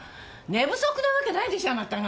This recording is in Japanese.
寝不足なわけないでしょあなたが。